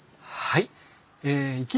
はい。